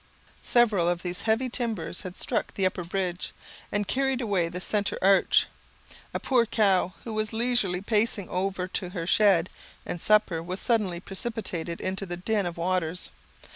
Several of these heavy timbers had struck the upper bridge, and carried away the centre arch. A poor cow, who was leisurely pacing over to her shed and supper, was suddenly precipitated into the din of waters.